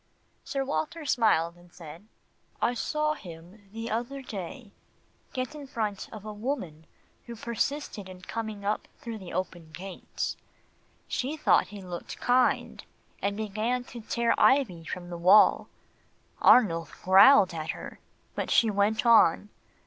Sir Walter smiled, and said, "I daresay you are right. I saw him the other day get in front of a woman who persisted in coming up through the open gates. She thought he looked kind, and began to tear ivy from the wall. Arnulf growled at her, but she went on.